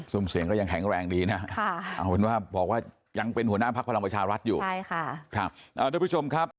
ผมไม่เกี่ยวข้องกับเขานะครับเราต้องไปถามเขาเลยครับ